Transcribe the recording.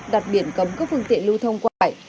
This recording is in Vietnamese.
đặc biệt cấm các phương tiện lưu thông quẩy